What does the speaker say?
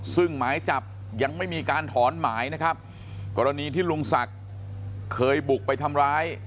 ซึ่งหมายจับยังไม่มีการถอนหมายนะครับกรณีที่ลุงศักดิ์เคยบุกไปทำร้าย